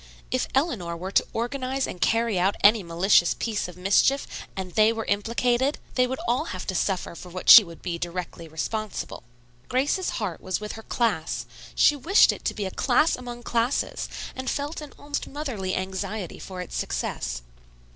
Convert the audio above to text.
If Eleanor were to organize and carry out any malicious piece of mischief and they were implicated, they would all have to suffer for what she would be directly responsible. Grace's heart was with her class. She wished it to be a class among classes, and felt an almost motherly anxiety for its success.